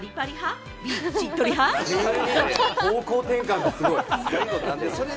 方向転換がすごい。